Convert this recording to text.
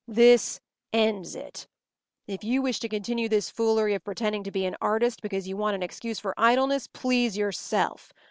“This ends it! If you wish to continue this foolery of pretending to be an artist because you want an excuse for idleness, please yourself.